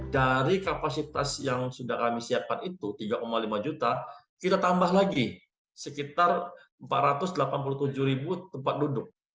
dari kapasitas yang sudah kami siapkan itu tiga lima juta kita tambah lagi sekitar empat ratus delapan puluh tujuh ribu tempat duduk